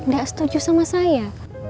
gak setuju sama saya